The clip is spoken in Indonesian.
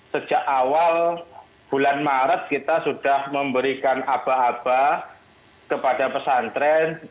sejak awal bulan maret kita sudah memberikan abah abah kepada pesantren